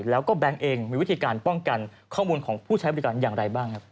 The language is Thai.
แล้วก็แบงค์เองมีวิธีการป้องกันข้อมูลของผู้ใช้บริการอย่างไรบ้างครับ